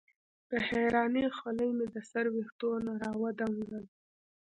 د حېرانۍ خولې مې د سر وېښتو نه راودنګل